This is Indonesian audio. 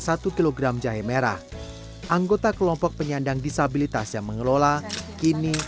satu kg jahe merah anggota kelompok penyandang disabilitas yang mengelola kini